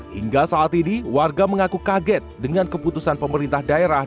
hingga saat ini warga mengaku kaget dengan keputusan pemerintah daerah